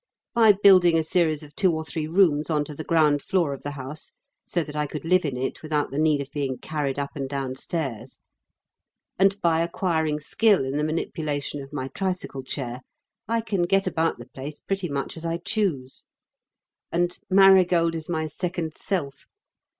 By building a series of two or three rooms on to the ground floor of the house, so that I could live in it without the need of being carried up and down stairs, and by acquiring skill in the manipulation of my tricycle chair, I can get about the place pretty much as I choose. And Marigold is my second self.